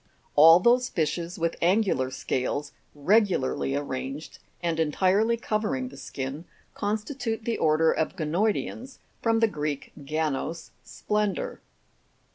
All those fishes with angular scales regularly arranged and entirely covering the skin, constitute the order of Ganoidcans (from the Greek, ganos, splen dour).